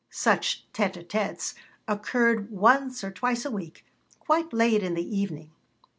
Such tête à têtes occurred once or twice a week, quite late in the evening.